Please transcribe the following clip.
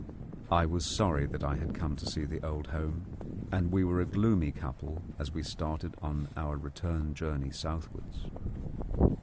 I was sorry that I had come to see the old home, and we were a gloomy couple as we started on our return journey southwards.